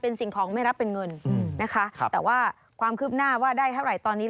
เป็นสิ่งของไม่รับเป็นเงินนะคะแต่ว่าความคืบหน้าว่าได้เท่าไหร่ตอนนี้